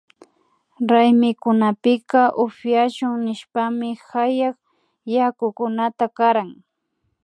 Raymikunapika upyashun nishpami hayak yakukunata karan